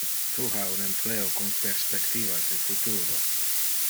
Tu ha un empleo con perspectivas de futuro.